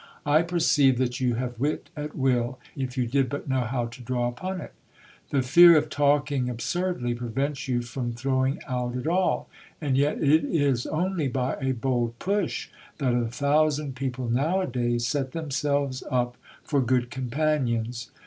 I perceive that you have wit at will, if you did but know how to draw upon it. The fear of talking absurdly prevents you from throwing out at all ; and yet it is only by a bold push that a thousand people now a days set themselves up for good companions.